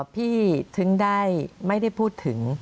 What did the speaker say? ถึงได้ไม่ได้พูดถึง